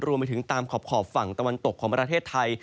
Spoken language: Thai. รวมไปถึงตามขอบฝั่งตะวันตกของประเทศไทย